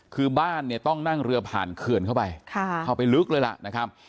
คือบ้านเนี่ยต้องนั่งเรือผ่านเขื่อนเข้าไปเข้าไปลึกเลยล่ะนะครับ